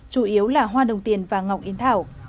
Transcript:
chủ yếu là hoa đồng tiền và ngọc in thảo